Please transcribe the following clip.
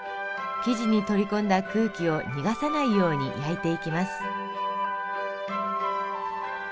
生地に取り込んだ空気を逃がさないように焼いていきます。